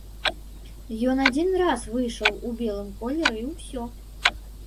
Ён адзін раз выйшаў у белым колеры і ўсё.